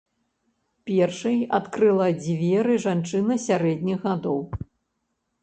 Першай адкрыла дзверы жанчына сярэдніх гадоў.